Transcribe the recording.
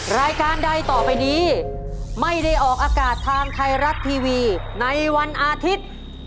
รายการใดต่อไปนี้ไม่ได้ออกอากาศทางไทยรัฐทีวีในวันอาทิตย์